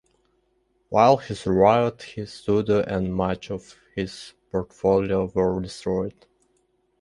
While he survived, his studio and much of his portfolio were destroyed.